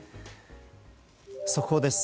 速報です。